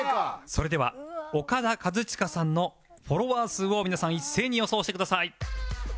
それではオカダ・カズチカさんのフォロワー数を皆さん一斉に予想してください